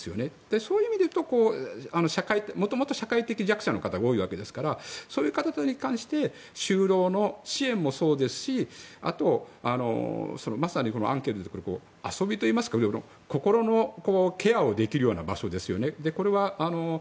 そういう意味で言うともともと社会的弱者の方が多いわけなのでそういう方たちに関して就労の支援もそうですしあとはまさにアンケートにある遊びといいますか心のケアができる場所ですね。